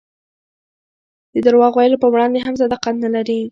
د درواغ ویلو په وړاندې هم صداقت نه لري.